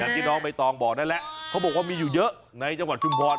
ที่น้องใบตองบอกนั่นแหละเขาบอกว่ามีอยู่เยอะในจังหวัดชุมพร